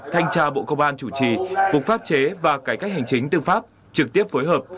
thanh tra bộ công an chủ trì phục pháp chế và cải cách hành chính tư pháp trực tiếp phối hợp